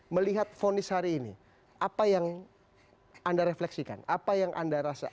melihat fonis hari ini apa yang anda refleksikan apa yang anda rasa